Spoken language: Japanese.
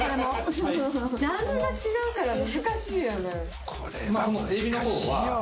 ジャンルが違うから難しいよね。